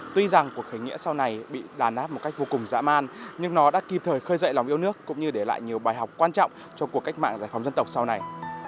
tuy rằng cuộc khởi nghĩa sau này bị đàn áp một cách vô cùng dã man nhưng nó đã kịp thời khơi dậy lòng yêu nước cũng như để lại nhiều bài học quan trọng cho cuộc cách mạng giải phóng dân tộc sau này